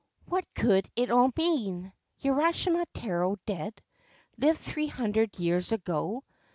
What could it all mean ? Urashima Taro dead. Lived three hundred years ago.